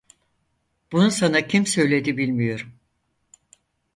Bunu sana kim söyledi bilmiyorum.